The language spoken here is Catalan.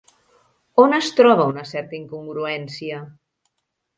On es troba una certa incongruència?